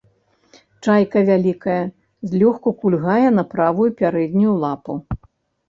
Чайка вялая, злёгку кульгае на правую пярэднюю лапу.